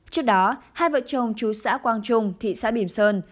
trước đó hai vợ chồng chú xã quang trung thị xã bìm sơn